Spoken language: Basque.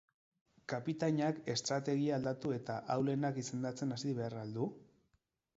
Kapitainak estrategia aldatu eta ahulenak izendatzen hasi behar al du?